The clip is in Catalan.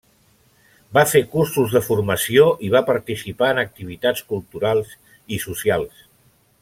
Va fer cursos de formació i va participar en activitats culturals i socials.